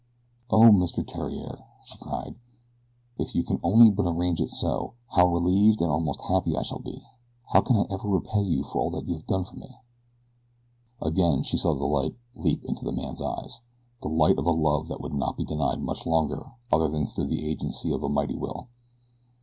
"O Mr. Theriere," she cried, "if you only can but arrange it so, how relieved and almost happy I shall be. How can I ever repay you for all that you have done for me?" Again she saw the light leap to the man's eyes the light of a love that would not be denied much longer other than through the agency of a mighty will.